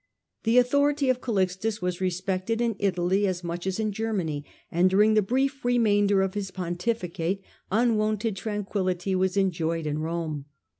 The authority of Calixtus was respected in Italy as much as in Germany, and during the brief remainder of his pontificate unwonted tranquillity was enjoyed in Eome.